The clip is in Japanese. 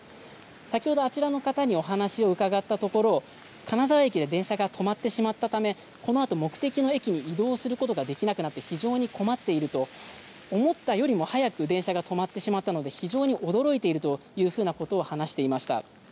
先ほど、あちらの方にお話を伺ったところ金沢駅で電車が止まってしまったためこのあと目的の駅に移動することができなくなって非常に困っている思ったよりも早く電車が止まってしまったので非常に驚いているということを話していました。